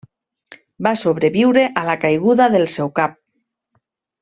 Va sobreviure a la caiguda del seu cap.